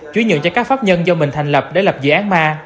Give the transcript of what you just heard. chú ý nhượng cho các pháp nhân do mình thành lập để lập dự án ma